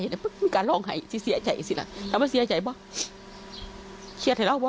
มีการลองหายสิเสียใจสิล่ะทำไมเสียใจป่ะเชียดให้เล่าป่ะ